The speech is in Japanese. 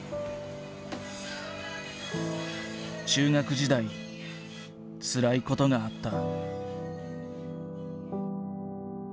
中学時代つらいことがあった。